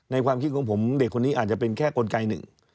ความคิดของผมเด็กคนนี้อาจจะเป็นแค่กลไกหนึ่ง